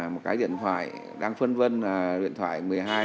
một cái điện thoại đang phân vân là điện thoại một mươi hai một mươi ba